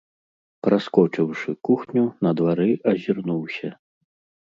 Праскочыўшы кухню, на двары азірнуўся.